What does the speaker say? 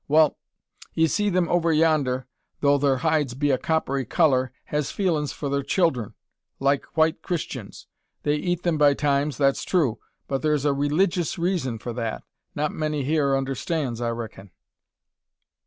"Wal; 'ee see them over yander, though thur hides be a coppery colour, has feelin's for thur childer like white Christyuns. They eat 'em by times, that's true; but thur's a releegius raison for that, not many hyur understands, I reckin."